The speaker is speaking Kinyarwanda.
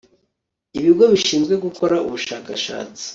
ibigo bishinzwe gukora ubushakashatsi